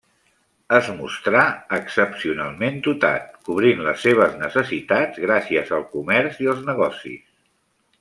Es mostrà excepcionalment dotat, cobrint les seves necessitats gràcies al comerç i els negocis.